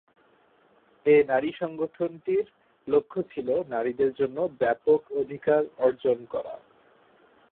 এ নারী সংগঠনটির লক্ষ্য ছিল নারীদের জন্য ব্যাপক অধিকার অর্জন করা।